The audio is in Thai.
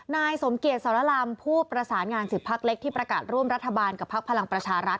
นายสมเกียจสรรลำผู้ประสานงาน๑๐พักเล็กที่ประกาศร่วมรัฐบาลกับพักพลังประชารัฐ